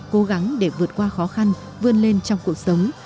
cố gắng để vượt qua khó khăn vươn lên trong cuộc sống